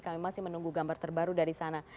kami masih menunggu gambar terbaru dari sana